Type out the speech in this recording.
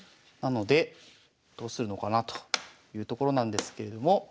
なのでどうするのかなというところなんですけれども。